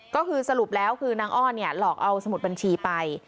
ก็คือสรุปแล้วคือนางอ้อนหลอกเอาสมุดบัญชีไป